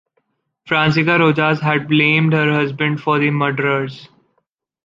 Francisca Rojas had blamed her husband for the murderers.